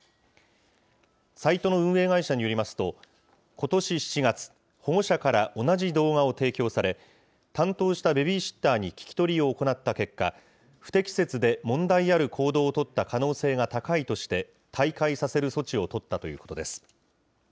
サイトの運営会社によりますと、ことし７月、保護者から同じ動画を提供され、担当したベビーシッターに聞き取りを行った結果、不適切で問題ある行動を取った可能性が高いとして、退会させる措置を取ったということです。